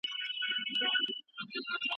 اوس نه منتر کوي اثر نه په مُلا سمېږي